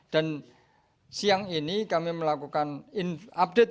dan siang ini kami melakukan update